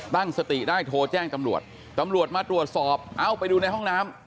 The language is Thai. ตั้งสติได้โทรแจ้งตำรวจตำรวจมาตรวจสอบเอ้าไปดูในห้องน้ำ